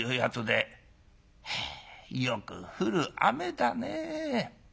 「はあよく降る雨だねえ。